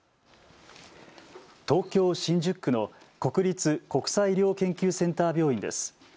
東京・新宿区の国立国際医療研究センター病院です。